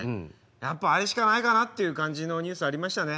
やっぱあれしかないかなっていう感じのニュースありましたね。